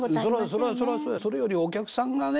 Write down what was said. それよりお客さんがね